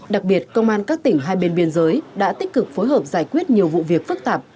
đặc biệt công an các tỉnh hai bên biên giới đã tích cực phối hợp giải quyết nhiều vụ việc phức tạp